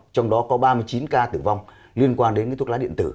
trong đó có ba mươi chín ca tử vong liên quan đến thuốc lá điện tử